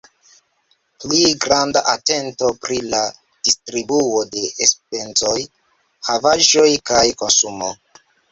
Pli granda atento pri la distribuo de enspezoj, havaĵoj kaj konsumo.